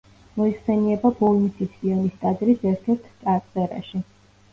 მოიხსენიება ბოლნისის სიონის ტაძრის ერთ-ერთ წარწერაში.